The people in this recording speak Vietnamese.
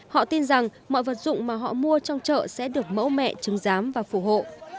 họ tin rằng mọi vật dụng mà họ mua trong chợ sẽ được mẫu mẹ chứng giám và phù hộ